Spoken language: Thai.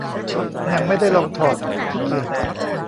ยังไม่ได้ลองถอด ขี้เกียจ